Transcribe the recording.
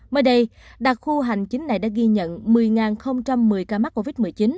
mới đây đặc khu hành chính này đã ghi nhận một mươi một mươi ca mắc covid một mươi chín